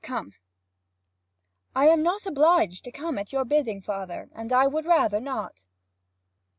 Come.' 'I am not obliged to come at your bidding, father, and I would rather not!'